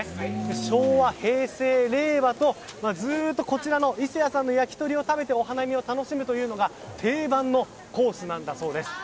昭和、平成、令和とずっとこちらのいせやさんの焼き鳥を食べてお花見を楽しむというのが定番のコースなんだそうです。